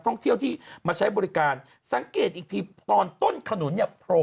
ท่องเที่ยวที่มาใช้บริการสังเกตอีกทีตอนต้นขนุนเนี่ยโผล่